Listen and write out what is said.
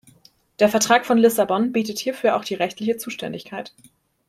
Der Vertrag von Lissabon bietet hierfür auch die rechtliche Zuständigkeit.